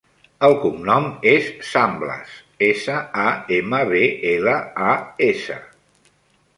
El cognom és Samblas: essa, a, ema, be, ela, a, essa.